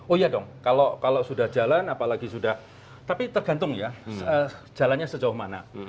oh iya dong kalau sudah jalan apalagi sudah tapi tergantung ya jalannya sejauh mana